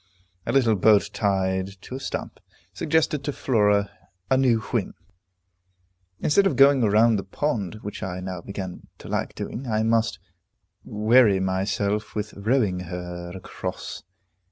A little boat tied to a stump, suggested to Flora a new whim. Instead of going round the pond, which I now began to like doing, I must weary myself with rowing her across.